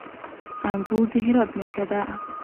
انګور د هرات نښه ده.